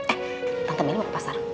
eh tante milu mau ke pasar